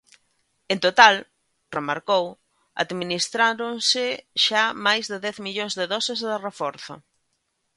En total, remarcou, administráronse xa máis de dez millóns de doses de reforzo.